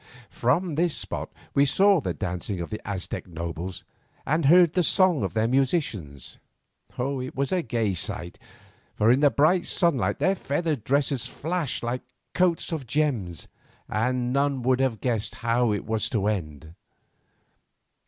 From this spot we saw the dancing of the Aztec nobles, and heard the song of the musicians. It was a gay sight, for in the bright sunlight their feather dresses flashed like coats of gems, and none would have guessed how it was to end.